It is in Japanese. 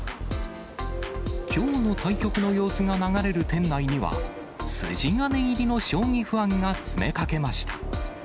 きょうの対局の様子が流れる店内には、筋金入りの将棋ファンが詰めかけました。